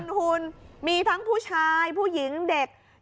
คุณมีทั้งผู้ชายผู้หญิงเด็ก